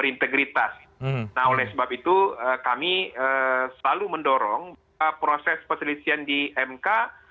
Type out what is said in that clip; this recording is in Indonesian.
nah oleh sebab itu kami selalu mendorong proses perselisihan di mk